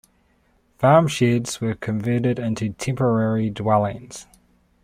Farm sheds were converted into temporary dwellings.